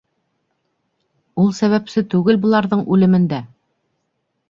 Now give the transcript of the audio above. Ул сәбәпсе түгел быларҙың үлемендә!